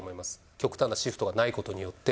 極端なシフトがないことによって。